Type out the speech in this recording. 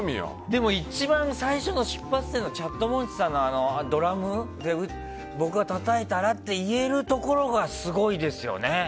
でも一番最初の出発点がチャットモンチーさんのドラムで僕がたたいたらって言えるところがすごいですよね。